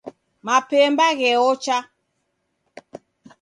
Mapemba gheocha